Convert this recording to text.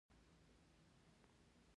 د نړیوالتوب په لور تمایل خپل شتون پیل کړی